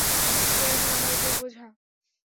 সে এখন আমার উপর বোঝা।